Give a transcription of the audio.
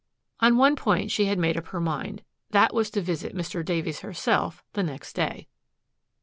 On one point she had made up her mind. That was to visit Mr. Davies herself the next day.